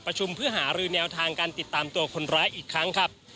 เพื่อหารือแนวทางการติดตามตัวคนร้ายอีกครั้งครับ